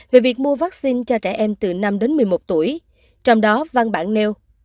về việc mua vaccine cho trẻ em từ năm đến một mươi một tuổi trong đó văn bản nêu